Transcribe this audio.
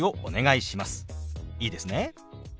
いいですね？